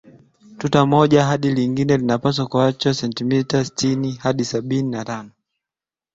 Tuta moja hadi lingine inapaswa kuachwa sentimita sitini hadi sabini na tano